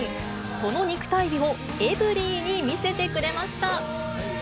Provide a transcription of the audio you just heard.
その肉体美をエブリィに見せてくれました。